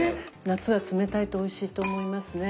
夏は冷たいとおいしいと思いますね。